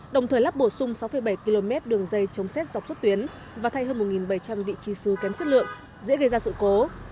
đồng thời lắp bổ sung sáu bảy km đường dây chống xét dọc xuất tuyến và thay hơn một bảy trăm linh vị trí xứ kém chất lượng dễ gây ra sự cố